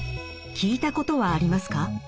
聞いたことはありますか？